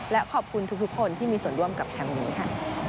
และขอบคุณทุกคนที่มีส่วนร่วมกับแชมป์นี้ค่ะ